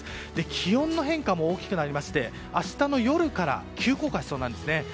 気温の変化も大きくなりまして明日の夜から急降下しそうなんですね。